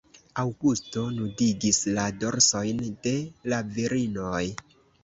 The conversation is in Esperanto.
Aŭgusto nudigis la dorsojn de la virinoj.